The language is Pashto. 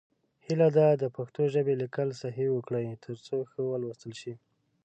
هیله ده د پښتو ژبې لیکل صحیح وکړئ، تر څو ښه ولوستل شي.